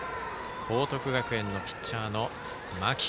報徳学園のピッチャーの間木。